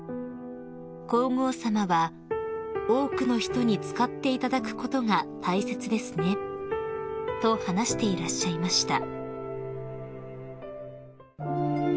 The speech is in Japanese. ［皇后さまは「多くの人に使っていただくことが大切ですね」と話していらっしゃいました］